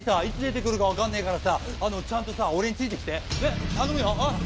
鬼さん、いつ出てくるかわかんねえからさ、ちゃんと俺についてきて、頼むよ。